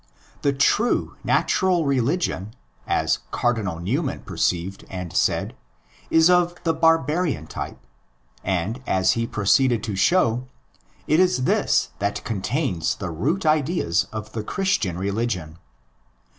The true natural religion, as Cardinal Newman perceived and said, is of the barbarian type; and, as he pro ceeded to show, it is this that contains the root ideas of the Christian revelation.